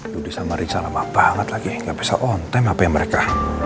ludis sama richa lama banget lagi gak bisa on time apa yang mereka